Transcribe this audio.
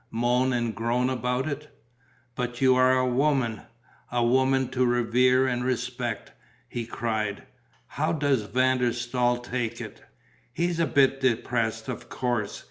Moan and groan about it?" "But you are a woman ... a woman to revere and respect!" he cried. "How does Van der Staal take it?" "He is a bit depressed, of course.